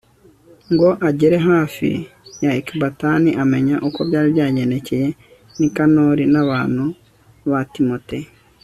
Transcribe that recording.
ngo agere hafi ya ekibatani, amenya uko byari byagendekeye nikanori n'abantu ba timote